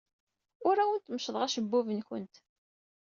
Ur awent-meccḍeɣ acebbub-nwent.